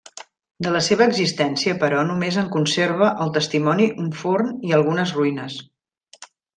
De la seva existència, però només en conserva el testimoni un forn i algunes ruïnes.